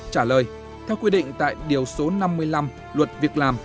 trả lời theo quy định tại điều số năm mươi năm luật việc làm